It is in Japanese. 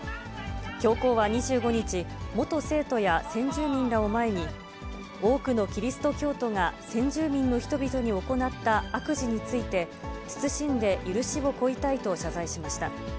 教皇は２５日、元生徒や先住民らを前に、多くのキリスト教徒が先住民の人々に行った悪事について、謹んで許しを請いたいと謝罪しました。